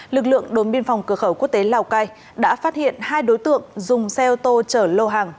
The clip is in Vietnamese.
lực lượng đồn biên phòng cửa khẩu quốc tế lào cai đã phát hiện hai đối tượng dùng xe ô tô chở lô hàng